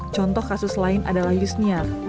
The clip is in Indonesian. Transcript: contoh kasus lain adalah yusnia